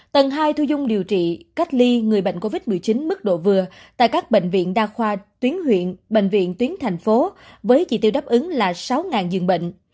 tầng hai thu dung điều trị cách ly người bệnh covid một mươi chín mức độ vừa tại các bệnh viện đa khoa tuyến huyện bệnh viện tuyến thành phố với chỉ tiêu đáp ứng là sáu dường bệnh